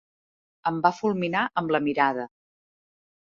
Em va fulminar amb la mirada.